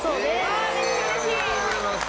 めっちゃ嬉しい！